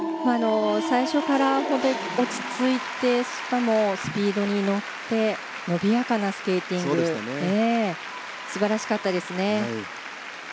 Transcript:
最初から落ち着いてしかもスピードに乗って伸びやかなスケーティング素晴らしかったですね。